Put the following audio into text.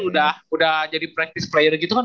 udah jadi pemain praktis gitu kan